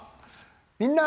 「みんな！